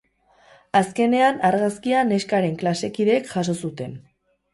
Azkenean, argazkia neskaren klasekideek jaso zuten.